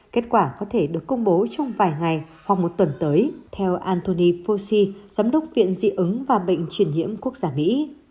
kết quả có thể được công bố trong vài ngày hoặc một tuần tới theo anthony fauci giám đốc viện diễn ứng và bệnh truyền nhiễm quốc gia mỹ